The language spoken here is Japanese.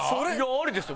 ありですよ